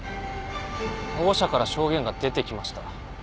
保護者から証言が出てきました。